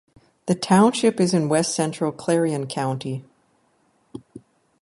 The township is in west-central Clarion County.